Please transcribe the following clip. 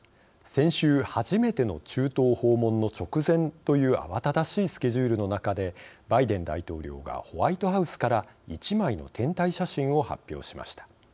先週初めての中東訪問の直前という慌ただしいスケジュールの中でバイデン大統領がホワイトハウスから１枚の天体写真を発表しました。